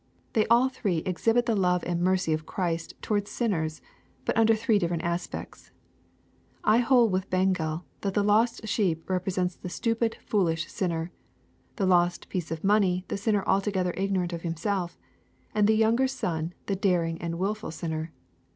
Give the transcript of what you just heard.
They all three exhibit the love and mercy of Christ towards sinners, but under three different aspects. I hold with Bengel, that the lost sheep represents the stupid, foolish sinner, — the lost piece of money the sinner altogether ignorant of himself, — and the younger son the daring and wilful sinner.